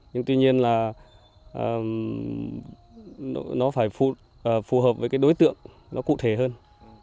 nhưng tuy nhiên là nó phải phù hợp với cái đối tượng nó cụ thể hơn